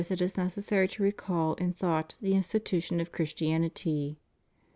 For this purpose it is necessary to recall in thought the institution of Christianity.